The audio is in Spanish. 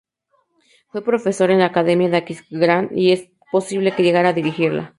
Fue profesor en la academia de Aquisgrán y es posible que llegara a dirigirla.